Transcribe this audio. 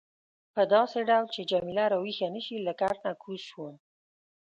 په داسې ډول چې جميله راویښه نه شي له کټ نه کوز شوم.